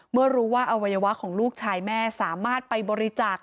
เมื่อรู้ว่าอวัยวะของลูกชายแม่สามารถไปบริจาค